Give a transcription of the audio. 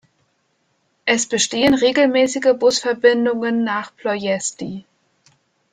Es bestehen regelmäßige Busverbindungen nach Ploiești.